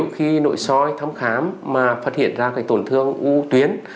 khi nội xôi thăm khám mà phát hiện ra tổn thương u tuyến